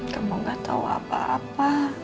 kamu gak tahu apa apa